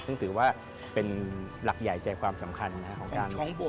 ซึ่งถือว่าเป็นหลักใหญ่ใจความสำคัญของการ